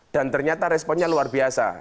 dan ternyata responnya luar biasa